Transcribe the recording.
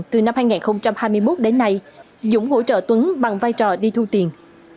từ năm hai nghìn hai mươi một đến nay dũng hỗ trợ tuấn bằng vai trò đi thu tiền